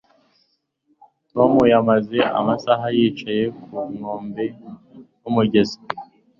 Tom yamaze amasaha yicaye ku nkombe zumugezi